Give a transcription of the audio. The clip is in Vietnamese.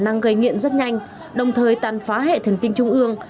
nó có khả năng gây nghiện rất nhanh đồng thời tàn phá hệ thần tinh trung ương